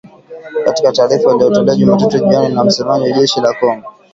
Katika taarifa iliyotolewa Jumatatu jioni na msemaji wa jeshi la Kongo